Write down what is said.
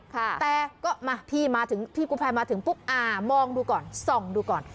แต่ก็มาพี่มาถึงพี่กูภัยมาถึงปุ๊บอ่ามองดูก่อนส่องดูก่อน